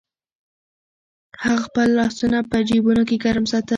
هغه خپل لاسونه په جېبونو کې ګرم ساتل.